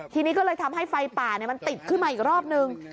ทีนี้ก็เลยทำให้ไฟป่ามันติดขึ้นมาอีกรอบนึง